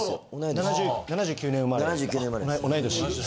７９年生まれです。